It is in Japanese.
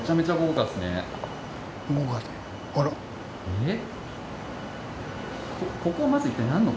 えっ？